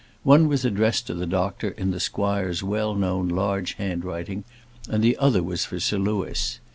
One was addressed to the doctor in the squire's well known large handwriting, and the other was for Sir Louis.